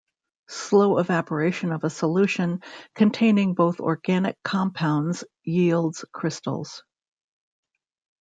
Slow evaporation of a solution containing both organic compounds yields crystals.